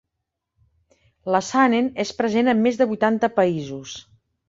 La Saanen és present en més de vuitanta països.